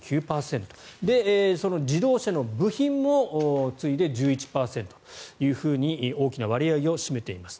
その自動車の部品も次いで、１１％というふうに大きな割合を占めています。